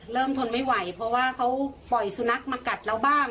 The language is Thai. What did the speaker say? ทนไม่ไหวเพราะว่าเขาปล่อยสุนัขมากัดเราบ้าง